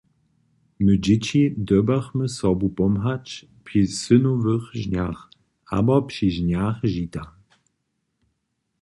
My dźěći dyrbjachmy sobu pomhać, při synowych žnjach abo při žnjach žita.